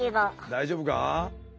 大丈夫か？